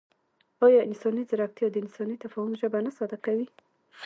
ایا مصنوعي ځیرکتیا د انساني تفاهم ژبه نه ساده کوي؟